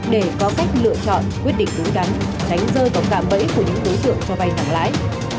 để có cách lựa chọn quyết định đúng đắn tránh rơi vào cạm bẫy của những đối tượng cho vay nặng lãi